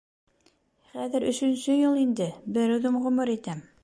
Хәҙер өсөнсө йыл инде, бер үҙем ғүмер итәм.